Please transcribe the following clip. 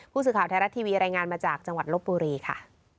ผู้สื่อข่าวไทยรัฐทีวีรายงานมาจากจังหวัดลบบุรีค่ะ